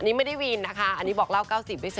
อันนี้ไม่ได้วีนนะคะอันนี้บอกเล่า๙๐